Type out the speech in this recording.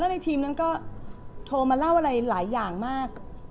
ในทีมนั้นก็โทรมาเล่าอะไรหลายอย่างมาก